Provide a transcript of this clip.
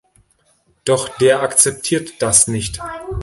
Doch der akzeptiert das nicht.